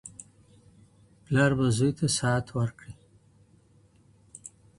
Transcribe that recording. پلار به زوی ته ساعت ورکړي.